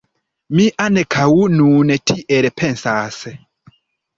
Mi ankaŭ nun tiel pensas.